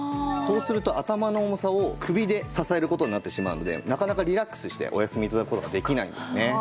そうすると頭の重さを首で支える事になってしまうのでなかなかリラックスしてお休み頂く事ができないんですね。